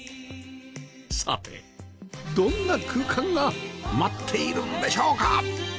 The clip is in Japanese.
さてどんな空間が待っているんでしょうか？